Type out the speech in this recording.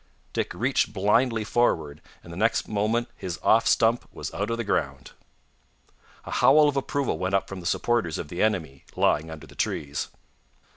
Dick reached blindly forward, and the next moment his off stump was out of the ground. A howl of approval went up from the supporters of the enemy, lying under the trees.